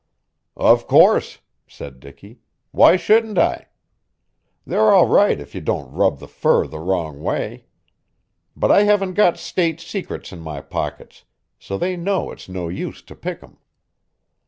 "Of course," said Dicky. "Why shouldn't I? They're all right if you don't rub the fur the wrong way. But I haven't got state secrets in my pockets, so they know it's no use to pick 'em."